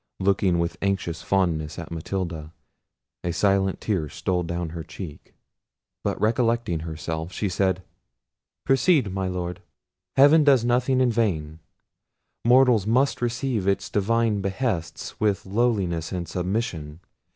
Looking with anxious fondness at Matilda, a silent tear stole down her cheek: but recollecting herself, she said— "Proceed, my Lord; heaven does nothing in vain; mortals must receive its divine behests with lowliness and submission.